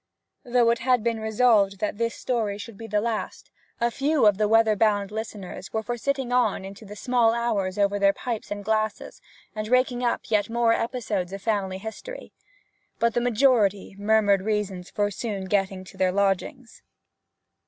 Though it had been resolved that this story should be the last, a few of the weather bound listeners were for sitting on into the small hours over their pipes and glasses, and raking up yet more episodes of family history. But the majority murmured reasons for soon getting to their lodgings.